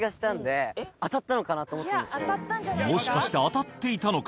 もしかして当たっていたのか？